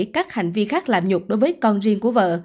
các hành vi khác làm nhục đối với con siêu